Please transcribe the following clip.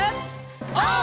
オー！